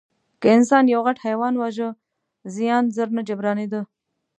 که انسان یو غټ حیوان واژه، زیان ژر نه جبرانېده.